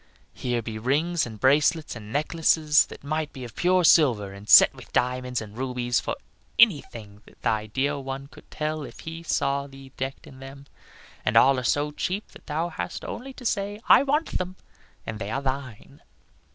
Here be rings and bracelets and necklaces that might be of pure silver and set with diamonds and rubies, for anything that thy dear one could tell if he saw thee decked in them. And all are so cheap that thou hast only to say, 'I want them,' and they are thine."